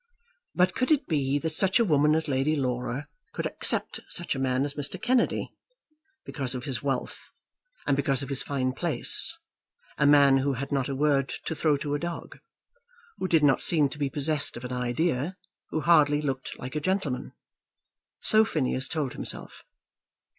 But could it be that such a woman as Lady Laura could accept such a man as Mr. Kennedy because of his wealth, and because of his fine place, a man who had not a word to throw to a dog, who did not seem to be possessed of an idea, who hardly looked like a gentleman; so Phineas told himself.